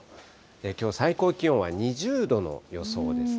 きょう、最高気温は２０度の予想ですね。